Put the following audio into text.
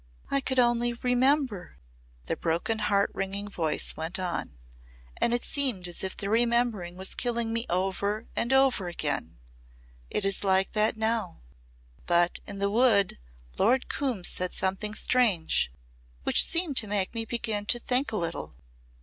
"I could only remember," the broken heart wringing voice went on. "And it seemed as if the remembering was killing me over and over again It is like that now. But in the Wood Lord Coombe said something strange which seemed to make me begin to think a little.